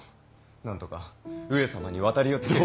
なんとか上様に渡りをつける。